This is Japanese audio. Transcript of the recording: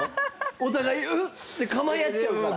お互い「うっ」って構え合っちゃうから。